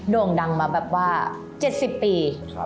โด่งดังมาแบบว่า๗๐ปี